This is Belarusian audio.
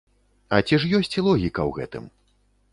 А ці ж ёсць логіка ў гэтым?